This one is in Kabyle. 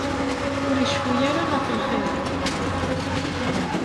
Ur iceffu ara ɣef lxir.